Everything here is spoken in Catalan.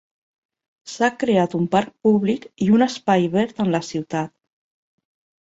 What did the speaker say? S'ha creat un parc públic i un espai verd en la ciutat.